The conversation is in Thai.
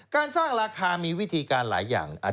การสร้างราคามีวิธีการหลายอย่าง